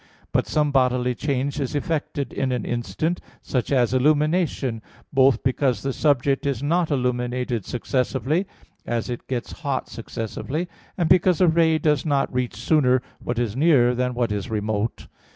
But some bodily change is effected in an instant, such as illumination; both because the subject is not illuminated successively, as it gets hot successively; and because a ray does not reach sooner what is near than what is remote.